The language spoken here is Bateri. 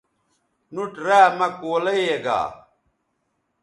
نُوٹ را مہ کولئ یے گا